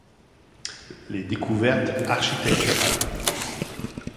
Les découvertes architecturale.